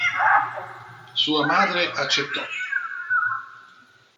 Sua madre accettò.